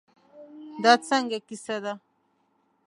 دا څنګه کیسه ده.